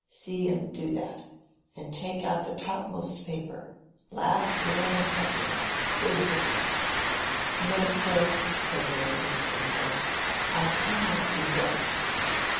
See and do that; and take out the topmost paper—Last Will and Testament—big printed." "No, sir," said Mary, in a firm voice, "I cannot do that."